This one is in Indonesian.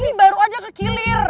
ini baru aja kekilir